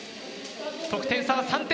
得点差は３点。